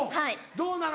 どうなの？